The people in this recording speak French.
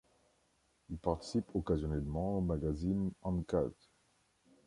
Il participe occasionnellement au magazine Uncut.